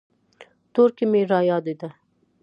تورکى مې رايادېده.